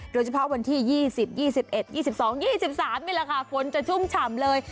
โดยเฉพาะวันที่๒๐๒๑๒๒๒๓นี่แหละค่ะฝนจะชุ่มฉ่ำเลย